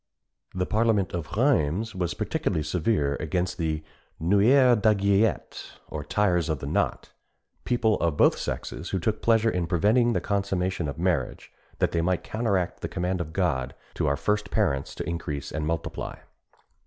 The parliament of Rheims was particularly severe against the noueurs d'aiguillette, or "tyers of the knot" people of both sexes who took pleasure in preventing the consummation of marriage, that they might counteract the command of God to our first parents to increase and multiply.